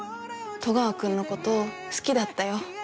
「戸川君のこと好きだったよ」